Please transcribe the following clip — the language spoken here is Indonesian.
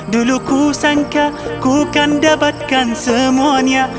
dulu ku sangka ku kan dapatkan semuanya